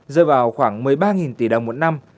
rơi vào khoảng một mươi ba tỷ đồng một năm